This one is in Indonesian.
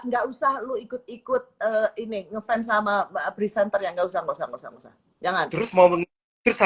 enggak usah lu ikut ikut ini ngefans sama presenter yang nggak usah jangan terus mau